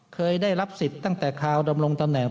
เคยได้รับสิทธิ์ตั้งแต่คราวดำรงตำแหน่ง